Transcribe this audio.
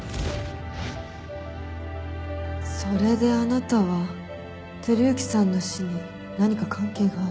それであなたは輝幸さんの死に何か関係がある。